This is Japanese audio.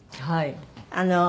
はい。